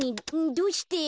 どうして？